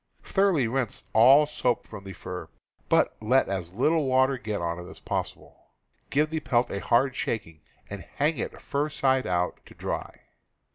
Thor oughly rinse all soap from the fur, but let as little water get on it as possible. Give the pelt a hard shaking and hang it fur side out, to dry.